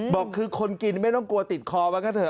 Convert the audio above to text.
บอกคือคนกินไม่ต้องกลัวติดคอไว้ก็เถ